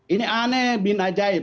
ini aneh bin ajaib